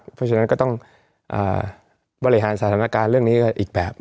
เพราะฉะนั้นก็ต้องบริหารสถานการณ์เรื่องนี้กันอีกแบบ